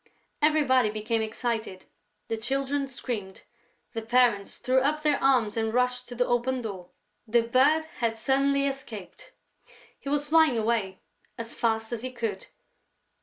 Everybody became excited, the Children screamed, the parents threw up their arms and rushed to the open door: the Bird had suddenly escaped! He was flying away as fast as he could.